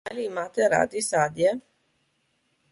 Ali imate radi sadje?